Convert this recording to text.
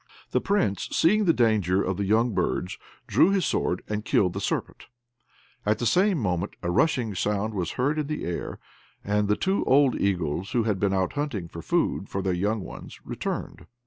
The Prince seeing the danger of the young birds, drew his sword, and killed the serpent; at the same moment a rushing sound was heard in the air, and the two old eagles, who had been out hunting for food for their young ones, returned.